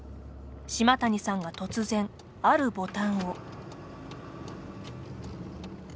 島谷さんが突然、あるボタンを。